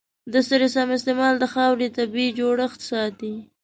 د سرې سم استعمال د خاورې طبیعي جوړښت ساتي.